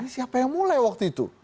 siapa yang mulai waktu itu